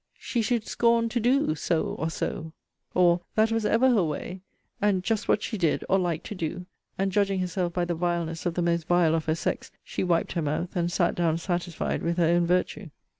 She should scorn to do so or so! or, That was ever her way; and Just what she did, or liked to do; and judging herself by the vileness of the most vile of her sex, she wiped her mouth, and sat down satisfied with her own virtue.